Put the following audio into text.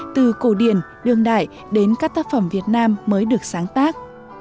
từ cổ điển đương đại đến các tác phẩm việt nam mới được sáng tác